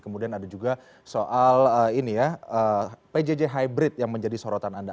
kemudian ada juga soal pjj hybrid yang menjadi sorotan anda